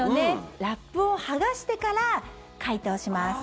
ラップを剥がしてから解凍します。